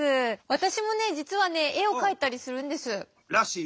私もね実はね絵を描いたりするんです。らしいね。